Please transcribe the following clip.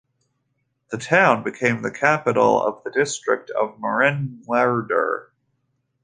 The town became the capital of the District of Marienwerder.